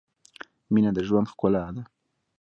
• مینه د ژوند ښکلا ده.